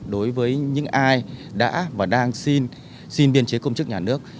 đối với những ai đã và đang xin biên chế công chức nhà nước